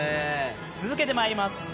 続けてまいります。